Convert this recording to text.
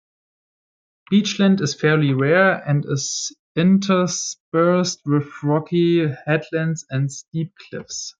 Beachland is fairly rare, and is interspersed with rocky headlands and steep cliffs.